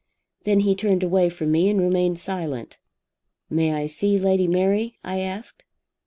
Then he turned away from me and remained silent. 'May I see Lady Mary?' I asked.